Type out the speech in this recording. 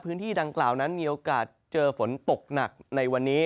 พื้นที่ดังกล่าวนั้นมีโอกาสเจอฝนตกหนักในวันนี้